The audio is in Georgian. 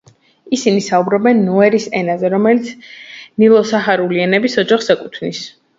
ისინი საუბრობენ ნუერის ენაზე, რომელიც ნილო-საჰარული ენების ოჯახს ეკუთვნის.